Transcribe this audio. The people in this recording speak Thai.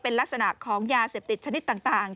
เป็นลักษณะของยาเสพติดชนิดต่าง